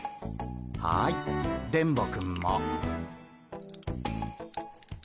はい電ボくんも。